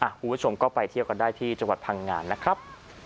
คุณผู้ชมก็ไปเที่ยวกันได้ที่จังหวัดพังงานนะครับ